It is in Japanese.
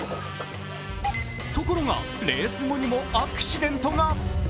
ところが、レース後にもアクシデントが。